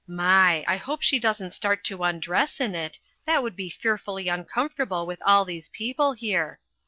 My! I hope she doesn't start to undress in it that would be fearfully uncomfortable with all these people here.